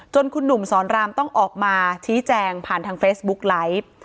คุณหนุ่มสอนรามต้องออกมาชี้แจงผ่านทางเฟซบุ๊กไลฟ์